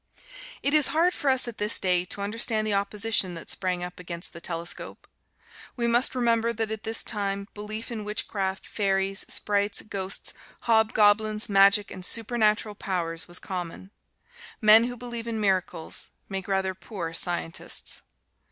It is hard for us, at this day, to understand the opposition that sprang up against the telescope. We must remember that at this time belief in witchcraft, fairies, sprites, ghosts, hobgoblins, magic and supernatural powers was common. Men who believe in miracles make rather poor scientists.